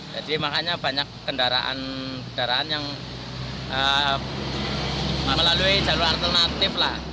jadi makanya banyak kendaraan kendaraan yang melalui jalur alternatif